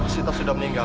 cita sudah meninggal